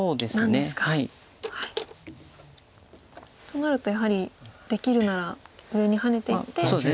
となるとやはりできるなら上にハネていって取ってしまいたいと。